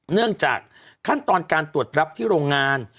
เนื่องจากขั้นตอนการตรวจรับที่โรงงาน